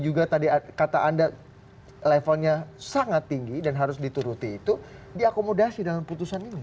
juga tadi kata anda levelnya sangat tinggi dan harus dituruti itu diakomodasi dalam putusan ini